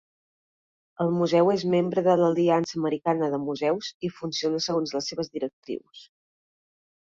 El museu és membre de l'Aliança Americana de Museus i funciona segons les seves directrius.